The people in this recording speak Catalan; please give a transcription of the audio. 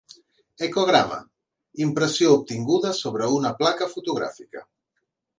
Ecograma: Impressió obtinguda sobre una placa fotogràfica.